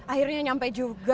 akhirnya nyampe juga